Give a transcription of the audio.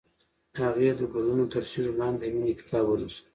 هغې د ګلونه تر سیوري لاندې د مینې کتاب ولوست.